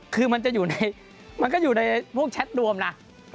คือมันจะอยู่ในพวกแชทรวมนะ